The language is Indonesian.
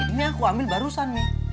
ini aku ambil barusan nih